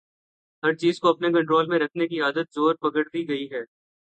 ہر چیز کو اپنے کنٹرول میں رکھنے کی عادت زور پکڑتی گئی ہے۔